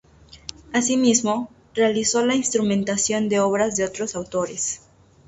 Asimismo, realizó la instrumentación de obras de otros autores.